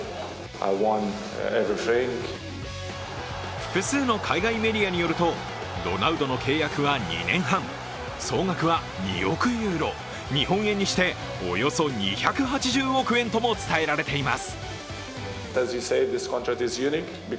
複数の海外メディアによると、ロナウドの契約は２年半、総額は２億ユーロ、日本円にしておよそ２８０億円とも伝えられています。